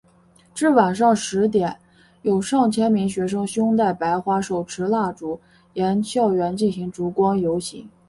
至晚上十点有上千名学生胸带白花手持蜡烛沿校园进行烛光游行。